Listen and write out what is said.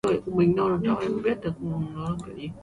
I don't want to either, or my remixes for that matter.